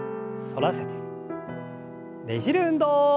ねじる運動。